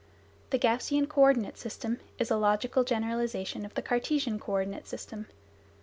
The Gaussian coordinate system is a logical generalisation of the Cartesian co ordinate system.